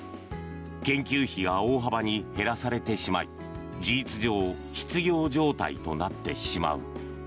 研究費が大幅に減らされてしまい事実上失業状態となってしまう。